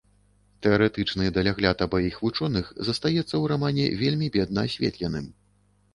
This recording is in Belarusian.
Тэарэтычны далягляд абаіх вучоных застаецца ў рамане вельмі бедна асветленым.